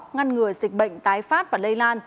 ngăn ngừa dịch bệnh tái phát và lây lan